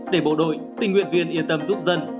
để bộ đội tình nguyện viên yên tâm giúp dân